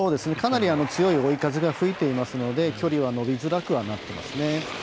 かなり強い追い風が吹いてますので距離は伸びづらくはなっていますね。